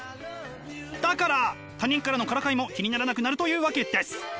だから他人からのからかいも気にならなくなるというわけです！